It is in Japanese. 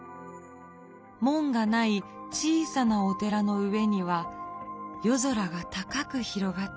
門がない小さなお寺の上には夜空が高く広がっている」。